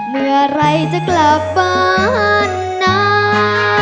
เมื่อไหร่จะกลับบ้านนะ